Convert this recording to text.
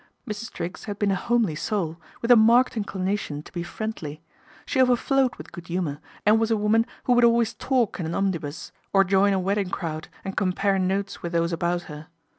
Mrs. Triggs had been a homely soul, with a marked inclination to be " friendly." She overflowed with good humour, and was a woman who would always talk in an omnibus, or join a wedding crowd and compare notes with those about her.